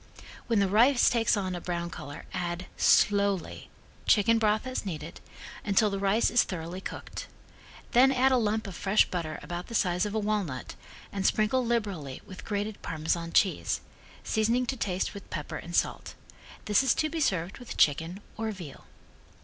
When the rice takes on a brown color add, slowly, chicken broth as needed, until the rice is thoroughly cooked. Then add a lump of fresh butter about the size of a walnut, and sprinkle liberally with grated Parmesan cheese, seasoning to taste with pepper and salt. This is to be served with chicken or veal.